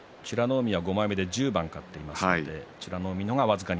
海は５枚目で１０番勝っています。